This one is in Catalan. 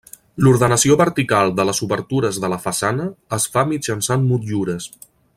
L'ordenació vertical de les obertures de la façana es fa mitjançant motllures.